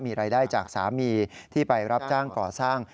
มีรายได้จากสามีที่ไปรับจ้างก่อสร้าง